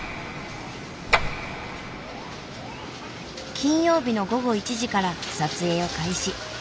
金曜日の午後１時から撮影を開始。